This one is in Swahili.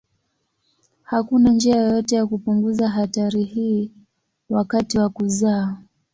Hakuna njia yoyote ya kupunguza hatari hii wakati wa kuzaa.